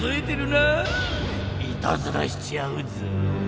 いたずらしちゃうぞ。